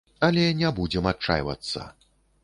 Але не будзем адчайвацца.